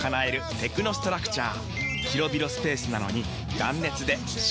テクノストラクチャー！